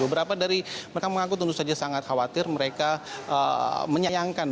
beberapa dari mereka mengaku tentu saja sangat khawatir mereka menyayangkan